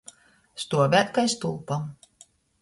Stuovēt kai stulpam.